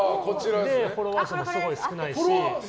フォロワー数もすごい少ないし。